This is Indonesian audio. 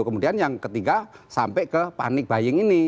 kemudian yang ketiga sampai ke panik baying ini